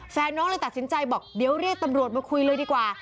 แฟนน้องเลยตัดสินใจบอกเดี๋ยวเรียกตำรวจมาคุยเลยดีกว่า